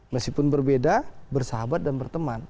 meskipun berbeda bersahabat dan berteman